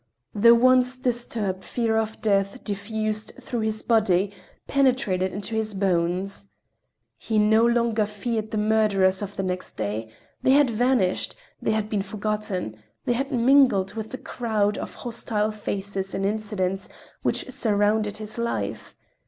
The once disturbed fear of death diffused through his body, penetrated into his bones. He no longer feared the murderers of the next day—they had vanished, they had been forgotten, they had mingled with the crowd of hostile faces and incidents which surrounded his life.